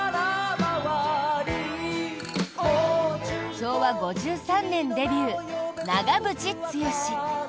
昭和５３年デビュー、長渕剛。